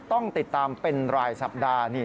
ต้องติดตามเป็นรายสัปดาห์